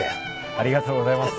ありがとうございます。